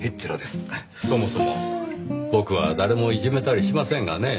そもそも僕は誰もいじめたりしませんがねぇ。